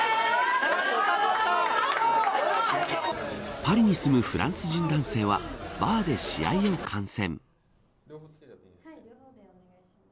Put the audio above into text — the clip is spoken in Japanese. パリに住むフランス人男性はバーで試合を観戦。